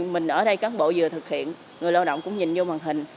mình ở đây cán bộ vừa thực hiện người lao động cũng nhìn vô màn hình